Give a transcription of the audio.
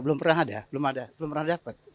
belum pernah ada belum pernah dapat